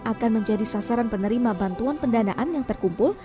akan menjadi sasaran penerima bantuan pendanaan yang terkumpul